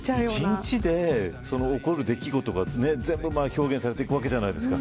一日で起きる出来事が全部表現されるわけじゃないですか。